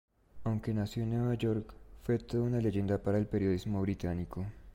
Aunque nació en Nueva York, fue toda una leyenda para el periodismo británico.